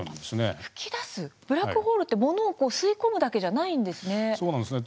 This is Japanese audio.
ブラックホールって物を吸い込むだけじゃないんですね。